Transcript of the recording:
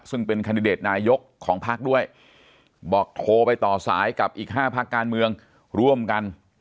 ซึ่งเป็นคันดิเดตนายกของพักด้วยบอกโทรไปต่อสายกับอีก๕พักการเมืองร่วมกัน